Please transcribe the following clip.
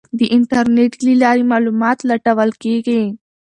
د انټرنیټ له لارې معلومات لټول کیږي.